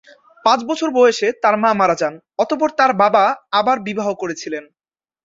পাঁচ বছর বয়সে তাঁর মা মারা যান, অতঃপর তাঁর বাবা আবার বিবাহ করেছিলেন।